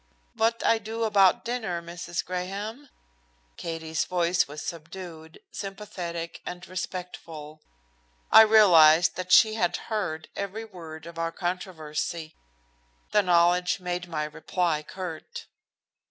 "Vot I do about dinner, Missis Graham?" Katie's voice was subdued, sympathetic and respectful. I realized that she had heard every word of our controversy. The knowledge made my reply curt.